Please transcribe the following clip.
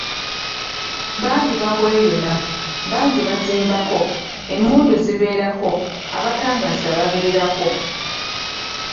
"Bangi babweyuna , bangi bazimbako, emmundu zibeerako, abatangaaza babeerako."